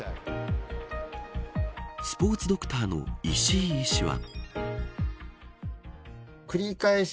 スポーツドクターの石井医師は。